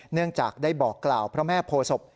เนื่องจากได้บอกกล่าวพระแม่โพศพ